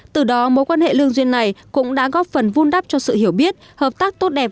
từ đó mối quan hệ lương duyên này cũng đã góp phần vun đắp cho sự hiểu biết hợp tác tốt đẹp